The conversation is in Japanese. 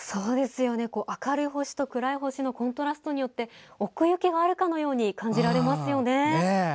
明るい星と暗い星のコントラストによって奥行きがあるかのように感じられますよね。